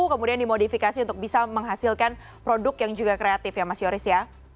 kemudian dimodifikasi untuk bisa menghasilkan produk yang juga kreatif ya mas yoris ya